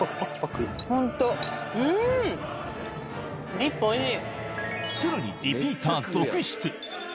ディップおいしい。